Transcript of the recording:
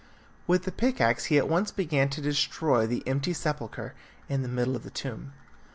With the pickaxe he at once began to destroy the empty sepulchre in the middle of the tomb.